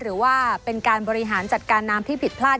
หรือว่าเป็นการบริหารจัดการน้ำที่ผิดพลาด